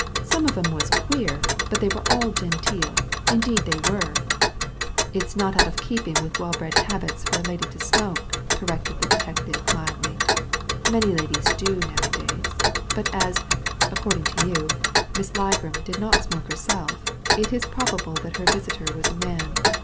Some of 'em was queer, but they were all genteel ; indeed they were." " It's not out of keeping with well bred habits for Digitized by Google A WOMAN WITHOUT A PAST 33 a lady to smoke," corrected the detective, mildly. Many ladies do nowadays. But as — according to you — Miss Ligram did not smoke herselfi it is probable that her visitor was a man.